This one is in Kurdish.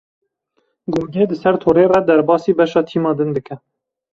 Gogê di ser torê re derbasî beşa tîma din bike.